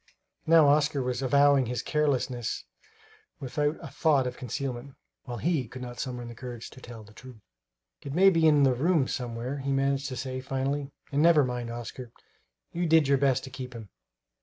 Now Oscar was avowing his carelessness without a thought of concealment, while he could not summon courage to tell the truth. "It may be in the rooms somewhere," he managed to say finally; "and never mind, Oscar, you did your best to keep him."